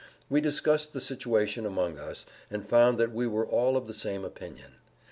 We discussed the situation among us, and found that we were all of the same opinion.